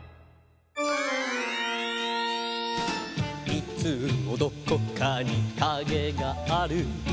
「いつもどこかにカゲがある」